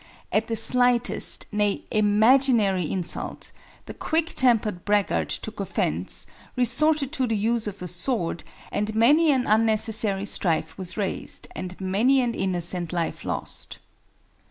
At the slightest, nay, imaginary insult, the quick tempered braggart took offense, resorted to the use of the sword, and many an unnecessary strife was raised and many an innocent life lost.